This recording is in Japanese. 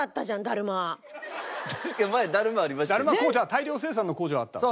だるま大量生産の工場あった。